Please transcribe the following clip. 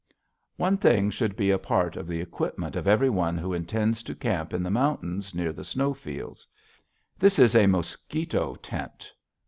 One thing should be a part of the equipment of every one who intends to camp in the mountains near the snow fields. This is a mosquito tent.